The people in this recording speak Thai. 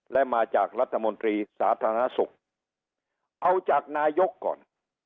และมาจากรัฐมนตรีสาธารณสุขเอาจากนายกก่อน